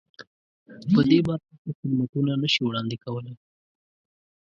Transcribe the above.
په دې برخه کې خدمتونه نه شي وړاندې کولای.